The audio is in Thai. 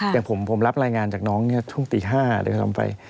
อย่างผมผมรับรายงานจากน้องช่วงตี๕ด้วยซ้ำไป